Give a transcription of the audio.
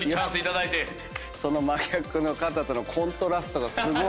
その真逆の方とのコントラストがすごい。